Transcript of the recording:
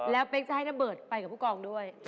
แล้วเป๊คจะแบบนำเบิร์ทไปกับพุกองด้วย